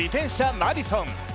マディソン。